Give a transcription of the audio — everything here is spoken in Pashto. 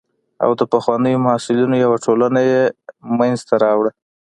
او د پخوانیو محصلینو یوه ټولنه یې منځته راوړه.